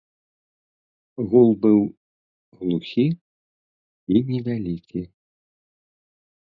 Гул быў глухі і невялікі.